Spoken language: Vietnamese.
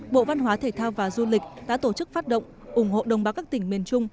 bộ văn hóa thể thao và du lịch đã tổ chức phát động ủng hộ đồng bào các tỉnh miền trung